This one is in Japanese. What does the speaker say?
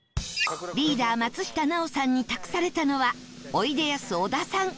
リーダー松下奈緒さんに託されたのはおいでやす小田さん